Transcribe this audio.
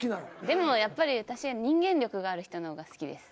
でもやっぱり私は人間力がある人の方が好きです。